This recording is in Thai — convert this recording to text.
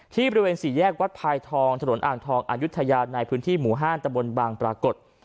ที่บริเวณสี่แยกวัดพายทองถนนอ่างทองอายุทยาในพื้นที่หมู่๕ตะบนบางปรากฏ